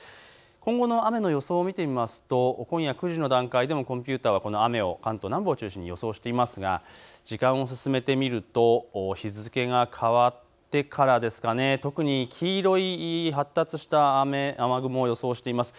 今後の雨の予想を見てみますと今夜の９時の段階でもコンピューターはこのように予想していますが時間を進めてみると日付が変わってから特に黄色い発達した雨雲が予想されています。